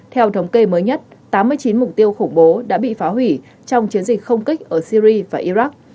theo thống kê mới nhất tám mươi chín mục tiêu khủng bố đã bị phá hủy trong chiến dịch không kích ở syri và iraq